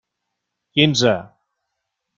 Quinze.